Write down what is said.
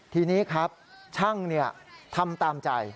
ทีนี้ครับช่างทำตามใจ